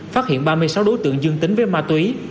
phát hiện ba mươi sáu đối tượng dương tính với ma túy